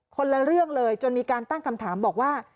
คนละเรื่องเลยจนมีการตั้งคำถามบอกว่า